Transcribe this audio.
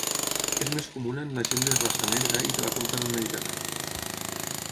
És més comuna en la gent de raça negra i de la conca del Mediterrani.